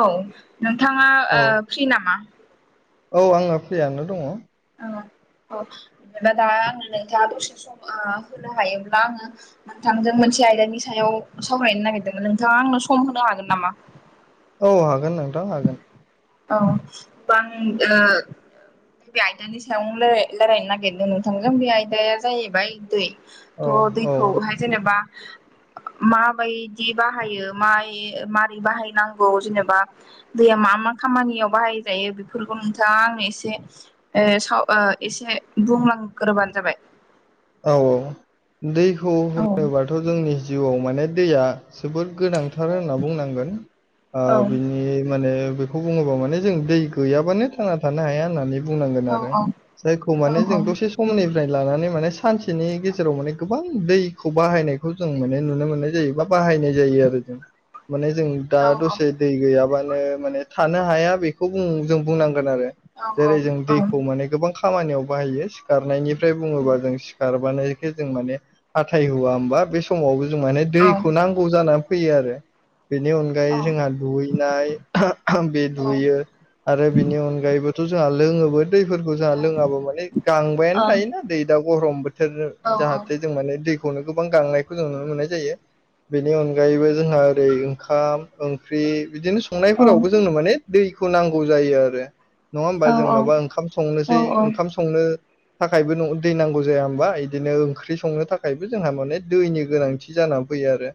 औ नोंथाङा ओ औ फ्रि नामा औ आङो फ्रियानो दङ औ औ नोथां दा आङो नोंथाङा दसे सम ओ होनो हायोब्ला आङो नोंथांजों मोनसे आयदानि सायाव सावरायनो नागिरदोंमोन नोंथाङा आंनो सम होनो हागोन नामा औ हागोन नोंथां हागोन औ बां ओ बे आयदानि सायावनो रायलाय रायलायनो नागिरदों नोंथांजों बे आयदाया जाहैबाय दै औ थ औ दैखौहाय जेनेबा माबायदि बाहायो मायो मारै बाहायनांगौ जेनेबा दैया मा मा खामानियाव बाहायजायो बेफोरखौ नोंथाङा आंनो एसे ओ साव ओ एसे बुंलां ग्रोबानो जाबाय औ औ दैखौ औ होनोबाथ जोंनि जिउआव माने दैया जोबोद गोनांथार होनना बुंनांगोन ओ औ बिनि माने बेखौ बुङोबा माने जों दै गैयाबानो थांना थानो हाया होननानै बुंनांगोन औ आरो जायखौ औ माने जों दसे समनिफ्राय लानानै माने सानसेनि गेजेराव माने गोबां दैखौ बाहायनायखौ जों माने नुनो मोननाय जायो बा बाहायनाय जायो आरो जों माने जों दा दसे दै गैयाबानो माने थानो हाया बेखौ बुं जों बुंनां गोन आरो औ जेरै औ जों दैखौ माने गोबां खामानियाव बाहायो सिखारनायनिफ्राय बुङोबा जों बानोखि जों माने हाथाय हुआ होमबा बे समावबो जों माने दैखौ औ नांगौ जानानै फैयो आरो बेनि अनगायै जोंहा दुगैनाय बे औ दुयो आरो बिनि अनगायैबोथ जोंहा लि लोङोबो दैफोरखौ जाहा लोङाबा माने गांबायानो थायोना दै दा गरम बो थोर जाहाथे जों माने दैखौनो गोबां गांनायखौ जों नुनो मोननाय जायो। बेनि अनगायैबो जोंहा ओरै ओंखाम ओंख्रि बिदिनो संनायफोरावबो जोंनो माने दैखौ नांगौ जायो आरो नङा होमबा जों माबा ओंखाम संनोसै ओंखाम संनो थाखायबो दै नांगौ जाया होमबा बिदिनो ओंख्रि संनो थाखायबो जोंहा माने दैनि गोनांथि जाना फैयो आरो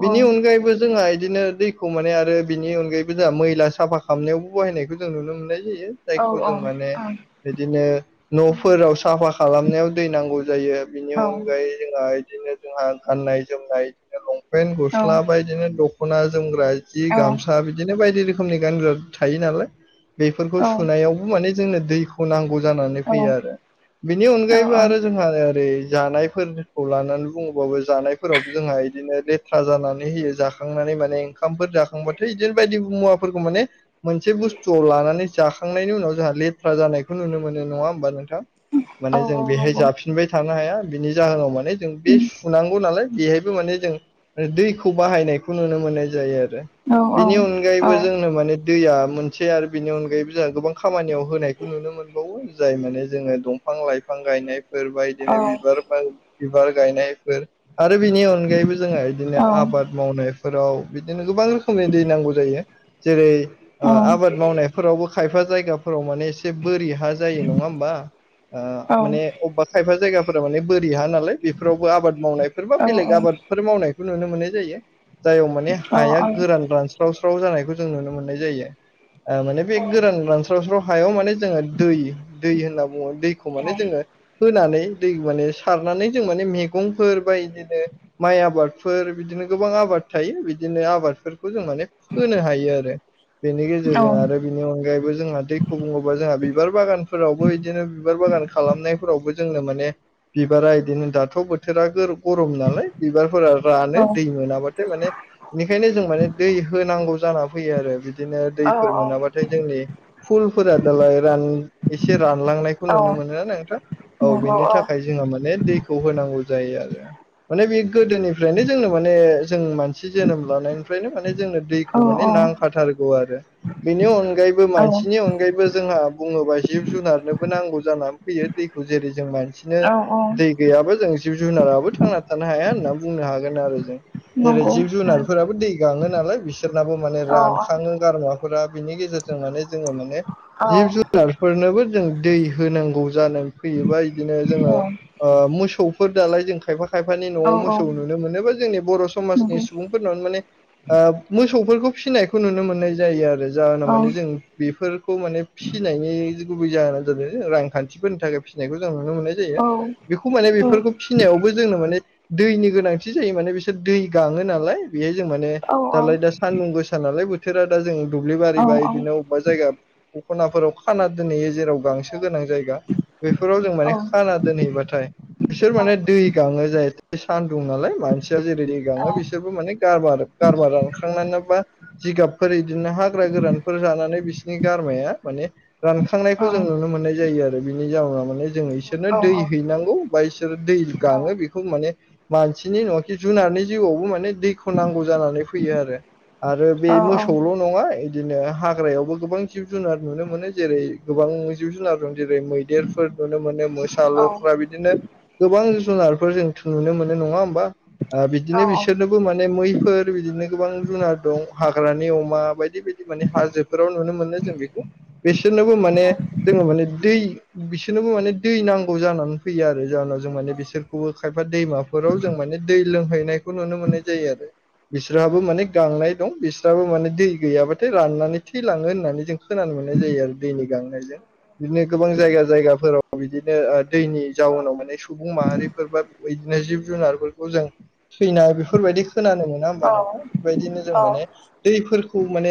बिनि अनगायैबो जोंहा इदिनो दैखौ माने आरो बिनि अनगायैबो जोंहा मैला साफा खालामनायावबो बाहायनायखौ जों नुनो मोननाय जायो जायखौ जों माने बिदिनो नफोराव साफा खालामनायाव दै नांगौ जायो बिनि अनगायै जोंहा इदिनो जोंहा गाननाय जोमनाय इदिनो लं पेन गस्ला बा इदिनो दखना जोमग्रा जि गामसा बिदिनो बायदि रोखोम खोमनि गानग्रा थायो नालाय बेफोरखौ सुनायावबो माने जोंनो दैखौ नांगौ जानानै फैयो आरो बिनि औ अनगायैबो आरो जोंहा ओरै जानायफोरखौ लानानै बुङोबाबो जानायफोरावबो जोंहा इदिनो लेथ्रा जानानै होयो। जाखांनानै माने ओंखामफोर जाखांबाथाय इदिनो बायदि मुवाफोरखौ माने मोनसे बुस्थुआव लानानै जाखांनायनि उनाव जोंहा लेथ्रा जानायखौ नुनो मोनो नङा होमबा नोंथां औ माने जों बेहाय नंगौ जाब थानो हाया बिनि जाहोनाव माने जों बे सुनांगौ नालाय बेहाय बो माने जों दैखौ बाहायनाय खौ नुनो मोननाय जायो। आरो औ बिनि अनगायैबो जोंनो माने दैया मोनसे आरो बिनि अनगायैबो जोंहा गोबां खामानियाव होनायखौ नुनो मोनबावो जाय माने जोङो दंफां लाइफां बिफां गायनायफोर बा इदिनो बिबार बार बिबार गायनायफोर आरो बिनि अनगायैबो जोंहा इदिनो आबाद मावनायफोराव बिदिनो गोबां रोखोमनि दै नांगौ जायो जेरै ओ आबाद मावनायफोरावबो खायफा जायगाफोराव माने एसे बोरि हा जायो नङा होनबा ओ माने अबबा जायगाफोरा माने बोरि हा नालाय बेफोरावबो आबाद मावनायफोर बा बेलेग आबादफोर मावनाय बो नुनो मोननाय जायो जायाव माने हाया गोरान रानस्रावस्रा [unintelligible] जानायखौ जों नुनो मोननाय जायो। आ माने बे गोरान रानस्रावस्राव हायाव माने जोङो दै-दै होनना बुङो दैखौ माने जोङो नानै दै माने सारनानै जों माने मेगंफोर बा इदिनो माय आबादफोर बिदिनो गो गोबां आबाद थायो बिदिनो आबादफोरखौ जों माने फोनो हायो आरो। बेनि गेजेरजों आरो बिनि अनगायैबो जोंहा दैखौ बुङोबा जोंहा बिबार बागानफोरावबो इदिनो बिबार बा गान खालामनाय। जोंनो माने बिबारा इदिनो दाथ' बोथोरा गोर-गरम नालाय बिबारफोरा रानो दै मोनाब्लाथाय माने बेनिखायनो जों माने दै होनांगौ जाना फैयो आरो बिदिनो दै दैफोर मोनाबाथाय जोंनि फुलफोरा दालाय रान एसे रानलांनायखौ नुनो मोनो ना नोंथां। औ बिनि थाखाय जोङो माने दैखौ होनां गौ जायो आरो। माने बे गोदोनिफ्रायनो जोंनो माने जों मानसि जोनोम लानायनिफ्रायनो माने जोंनो दैखौ माने नांखाथारगौ आरो। बेनि अनगायैबो मानसिनि अनगायैबो जोंहा बुङोबा जिब-जुनारनोबो नांगौ जाना फैयो दैखौ जेरै जों मानसिनो दै गैयाबा जों जिब-जुनाराबो थांना थानो हाया होनना बुंनो हागोन आरो जों जेरै जिब-जुनारफोराबो दै गाङो नालाय बि सोरनाबो माने रानखांङो गारमाफोरा बिनि गेजेरजों माने जोङो माने जिब-जुनारफोरनोबो जों दै होनांगौ जाना फैयो बा इदिनो जोङो ओ मोसौफोर दालाय जों खायफा खायफानि न'आव मोसौ नुनो मोनो बा जोंनि बर' समाजनि सुबुंफोरनाव माने ओ मोसौफोरखौ फिसिनायखौ नुनो मोननाय जायो आरो जोहोना माने जों बेफोरखौ माने फिनायनि गुबै जाहोना जादों रांखान्थिफोरनि थाखाय फिसिनायखौ जों नुनो मोननाय जायो बेखौ माने बेफोरखौ फिसिनायावबो जोंनो माने दैनि गोनांथि जायो माने बिसोर दै गाङो नालाय बेहाय जों माने दालाय दा सानदुं गोसा नालाय बोथोरा दा जों दुब्लि बारिबा बिदिनो अबेबा जायगा दख'नाफोराव खाना दोनहैयो जेराव गांसो गोनां जायगा। बेफोराव जों माने खाना दोनहैबाथाय बिसोर माने दै गाङो जाहै सान्दुं नालाय मानसिया जेरै दै गाङो बिसोरबो माने गारमा गारमा रानखांनानै बा जिगाबफोरै बिदिनो हाग्रा गोरानफोर जानानै बिसोरनि गारमाया माने रानखांनायखौ जों नुनो मोननाय जायो आरो। [unintelligible] जों इसोरनो दै हैनांगौ बा इसोरो दै गाङो बेखौ माने मानसि [unintelligible] जुनारनि जिउआवबो माने दैखौ नांगौ जानानै फैयो आरो। आरो बे मोसौल' नङा दिनो हाग्रायावबो गोबां जिब-जुनार नुनो मोनो जेरै गोबां जिब-जुनार दं जेरै देरफोर नुनो मोनो मोसा, लख्रा, बिदिनो गोबां जुनारफोर जों नुनो मोनो नङा होमबा? ओ बिदिनो बिसोरनोबो माने मैफोर बिदिनो गोबां जुनार दं हाग्रानि अमा बाय दि बायदि माने हाजोफोराव नुनो मोनो जों बेखौ बिसोरनोबो माने जोङो माने दै बिसोरनोबो माने दै नां गौ जानानै फैयो आरो जाहोनाव जों माने बिसोरखौबो खायफा दैमाफोराव जों माने दै लोंहैनायखौ नुनो मोन नाय जायो आरो। बिसोरहाबो माने गांनाय दं बिसोरहाबो माने दै गैयाबाथाय राननानै थैलाङो होननानै जों खोनानो मोननाय जायो आरो दैनि गांनायजों। बिदिनो गोबां जायगा जायगाफोराव बिदिनो ओ दैनि जाउनाव माने सुबुं माहारि फोर बा बिदिनो जिब जुनारफोरखौ जों थैनाय बेफोरबायदि खोनानो मोना होमबा नोंथां? बेबायदिनो जों माने दैफोर खौ माने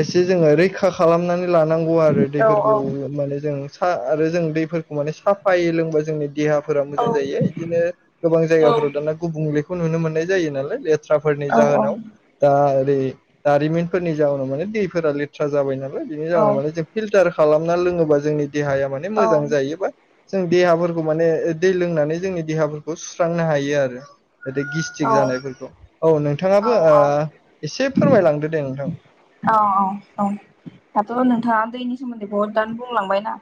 एसे जोङो रैखा खालामनानै लानांगौ आरो दैफोरखौ माने जों सा आरो जों दैफोरखौ माने साफायै लोंबा जोंनि देहा फोरा मोजां जायो इदिनो गोबां जायगाफोराव दाना गुबुंलेखौ नुनो मोननाय जायो नालाय ले थ्राफोरनि जाहोनाव दा ओरै दारिमिनफोरनि जाहोनाव माने दैफोरा लेथ्रा जाबाय ना लाय, बिनि जाउनाव औ माने जों फिल्टार खालामना लोङोबा जोंनि देहाया औ मोजां जायोबा जों देहाफोरखौ माने दै लोंनानै जोंनि देहाफोरखौ सुस्रांनो हायो आरो बि गिस्टिक जानायफोरखौ औ नों औ थाङाबो औ एसे फोरमायलांदो दे नोंथां। औ औ औ दाथ' नोंथाङा दैनि सोमोन्दै बहुदानो बुंलांबाय ना?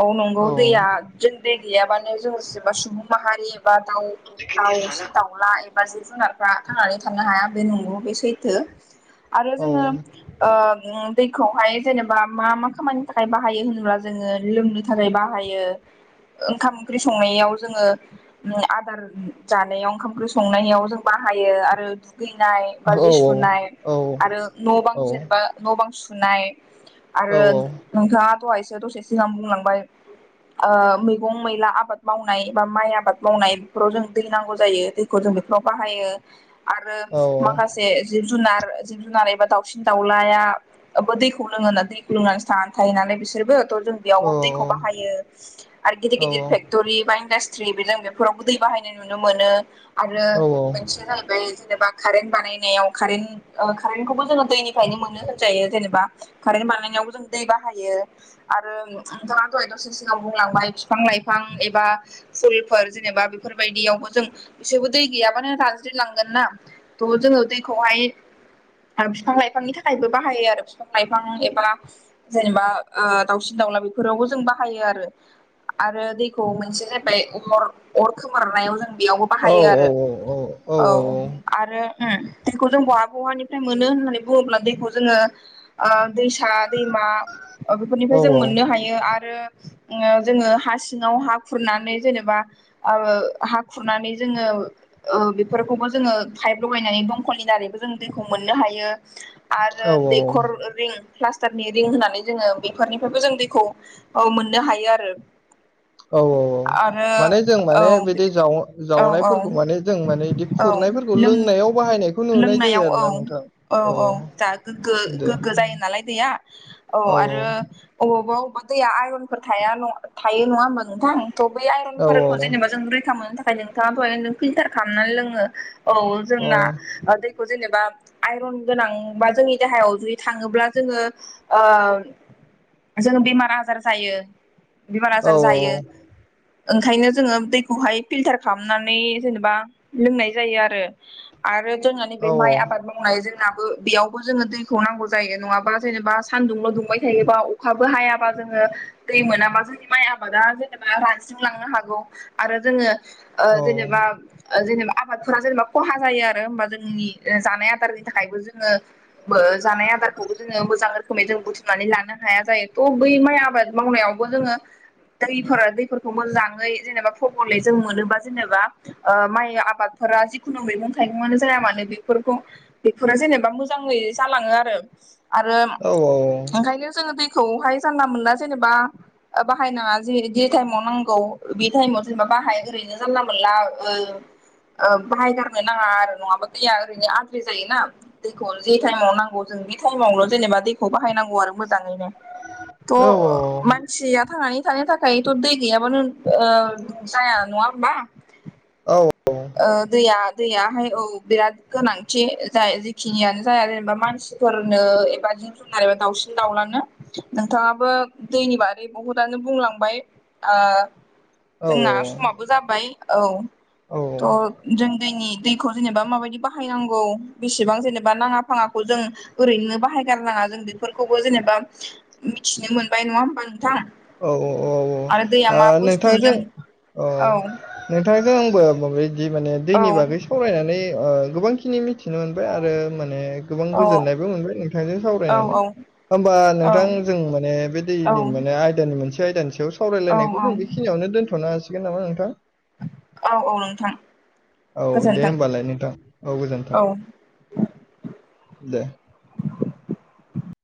औ नंगौ औ दैया जों गैयाबानो जों जेनेबा सुबुं माहारि एबा दाउ औ दाउसिन दाउला एबा जिब जुनारफ्रा थांनानै थानो हाया, बे नंगौ बे सैथो। आरो जोङो ओ उम दैखौहाय जेनेबा मा मा खामानिनि थाखाय बाहायो होनोब्ला जोङो लोंनो थाखाय बाहायो ओंखाम ओंख्रि संनायाव जोङो आदार जानायाव, ओंखाम ओंख्रि संनायाव जों बा हायो आरो दुगैनाय बा जि सुनाय आरो न' बां जेनेबा न' बां सुनाय आरो नोंथाङा दहायसो दसे सिगां बुंलांबाय ओ मैगं मैला, आबाद मावनाय बा माइ आबाद मावनाय बेफोराव जों दै नांगौ जायो। दैखौ जों बेफ्राव बाहायो आरो माखासे जिब जुनार जिब जुनार एबा दाउसिन दाउलाया बो दैखौ लोङो ना, दैखौ लोंनानैसो थानानै थायो नालाय बिसोरबो थ' जों बेयाव दैखौ बाहायो आरो गिदिर गिदिर फेक्ट'रि बा इन्दास ट्री दै बे जों बेफोरावबो दै बाहायनाय नुनो मोनो आरो मोनसे जेनेबा कारेन्ट बानायनायाव कारेन्ट ओ कारेन्टखौबो जोङो दैनिफ्रायनो मोननो होनजायो जेनेबा कारेन्ट बानायनायावबो जों दै बाहायो आरो नोंथाङा दहाय दसे सिगां बुंलांबाय बिफां लाइफां एबा फुलफोर जेनेबा बेफोरबायदियावबो जों बिसोरबो दै गैयाबानो रानज्रिंलां गोन ना? थ' जोङो दैखौहाय ओ फिफां लाइफांनि थाखायबो बाहायो आरो फिफां लाइफां एबा जेनेबा ओ दावसिन दाव ला बेफोरावबो जों बाहायो आरो। आरो दैखौ मोनसे जाहैबाय अर अर खोमोरनायाव जों बेयावबो औ बाहायो आरो औ, आरो उम दैखौ जों बहा बहानिफ्राय मोनो होननानै बुङोब्ला दैखौ जोङो ओ दैसा दैमा ओ बेफोरनिफ्राय जों मोननो हायो आरो जोङो हा सिङाव हा खुरनानै जेनेबा ओ हा खुरनानै जोङो ओ बेफोरखौबो जोङो पाइप लगायनानै दंखलनि दारैबो जों दैखौ मोननो हायो, आरो औ दैखर रिं प्लास्टारनि रिं होनानै जोङो बेफोरनिफ्रायबो जों दैखौ औ मोननो हायो आरो। औ औ औ आरो माने जों औ माने बिदि औ औ जाव-जावनायफोरखौ माने जों माने बिदि औ खुरनायफोरखौ लों लोंनायाव बाहायनायखौ नुनाय जायो लोंनायाव आरो औ ना नोंथां औ औ दे गोगो जायो नालाय दैया औ आरो अबावबा दैया आइरनफोर थाया थायो नङा होमबा नोंथां थ' बै औ आइरनफोरखौ जेनेबा जों रैखा मोननो थाखाय ओमफ्राय नोंथाङाबो नों फिल्टार खालामनानै लोङो औ औ जोंना दैखौ जेनेबा आइरन गोनां बा जोंनि देहायाव जुदि थाङोब्ला जोङो ओ जों बेमार आजार जायो बेमार औ आजार जायो ओंखायनो जोङो दैखौहाय फिलटार खालामनानै जेनेबा लोंनाय जायो आरो आरो जोंहा नैबे अ औ माइ आबाद मावनाय जों जोंनाबो बेयावबो जोङो दैखौ नांगौ जायो नङाबा जेनेबा सानदुंल' दुंबाय थायोबा अखाबो हायाबा जोङो दै मोनाबा जोंनि माइ आबादा जेनेबा रानज्रिंलांनो हागौ आरो जोङो ओ औ जेनेबा जेनेबा आबादफोरा जेनेबा खहा जायो आरो होमबा जोंनि जानाय आदारनि थाखायबो जोङो जानाय आदारखौबो जोङो मोजां रोखोमै जों बुथुमनानै लानो हाया जायो थ' बै माइ आबाद मावनायावबो जोङो दैफोर दैफोरखौ मोजाङै जेनेबा फबले जों मोनोबा जेनेबा ओ माइ आबादफोरा जिखुनु मैगं थाइगंङानो जाया मानो बेफोरखौ बेफोरो जेनेबा मोजाङै जालाङो आरो आरो औ औ ओंखायनो जोंङो दै खौहाय जानला मोना जेनेबा। ओ बाहायनाङा जे टाइमाव नांगौ बे टाइमाव जेनेबा बाहाय ओरैनो जानला मोनला औ ओ बाहाय गारनो नाङा आरो नङाबा दैया ओरैनो आद्रि जायोना दैखौ जि टाइमाव नांगौ जों बे टाइमावल' जेनेब दैखौ बाहायनांगौ आरो मो जाङैनो थ औ मानसिया थांनानै थानो थाखायथ' दै गैयाबानो ओ जाया नङा होमबा। औ औ ओ दैया दैयाहाय औ बिराद गोनांथि जाय जिखिनियानो जाया जेनेबा मानसिफोरनो एबा जिब जुनारा दाउसिन दाउलानो नोंथांङाबो दैनि बागै बुहुदआनो बुंलांबाय। ओ औ जोंना समाबो जाबाय औ। थ' जों जोंनि दैखौ जेनेबा माबायदि बाहायनांगौ बेसेबां जेनेबा नाङा फाङाखौ जों ओरैनो बाहायगारनाङा जों बेफोरखौबो जेनेबा मिथिनो मोनबाय नङा होमबा। नोंथां औ औ औ औ औ ओ आरो दैया मा बुस्थु जों नोंथांजों औ नोंथांजों आंबो माबा जि माने औ दैनि बागै सावरायनानै गोबांखिनि मि थिनो मोनबाय औ आरो माने गोबां औ गोजोननायबो मोनबाय नोंथांजों औ सावरायनानै। होमबा नोंथां औ जों माने बे दैनि माने आइ मोनसे आयदानि सायाव औ सावरायलायनायखौ जों बेखिनियावनो दोनथ'नो हासिगोन नामा नोंथां। औ औ नोंथां। औ दे गोजोनथों होमबालाय नोंथां औ गोजोनथों। औ दे। [inaudible]